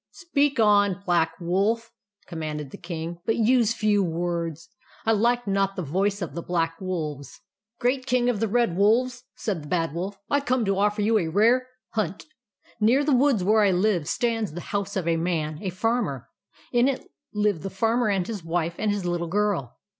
" Speak on, Black Wolf," commanded the King ;" but use few words. I like not the voice of the Black Wolves." TRICKS OF THE BAD WOLF 147 " Great King of the Red Wolves," said the Bad Wolf, " I come to offer you a rare hunt. Near the woods where I live stands the house of a man, a Farmer. In it live the Farmer and his wife and his little girl.